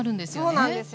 そうなんですよ。